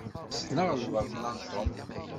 Sneɣ lbaḍna n Tom.